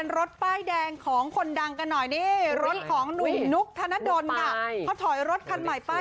นอกจากของคุณอาร์ตละคะไปต่อกันที่